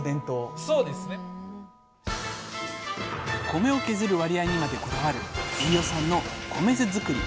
米を削る割合にまでこだわる飯尾さんの米酢づくり。